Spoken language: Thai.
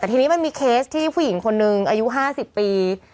แต่ทีนี้มันมีเคสที่ผู้หญิงคนนึงอายุ๕๐ปี